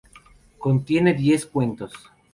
Contiene diez cuentos.